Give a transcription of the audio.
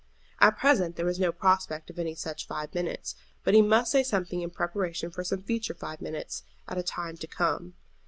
At present there was no prospect of any such five minutes, but he must say something in preparation for some future five minutes at a time to come.